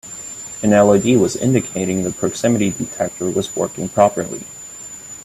An LED was indicating the proximity detector was working properly.